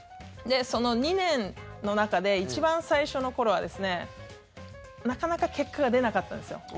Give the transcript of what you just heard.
その２年の中で一番最初の頃はなかなか結果が出なかったんですよ。